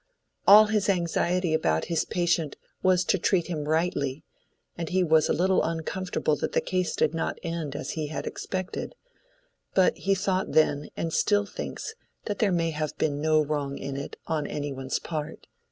All his anxiety about his patient was to treat him rightly, and he was a little uncomfortable that the case did not end as he had expected; but he thought then and still thinks that there may have been no wrong in it on any one's part.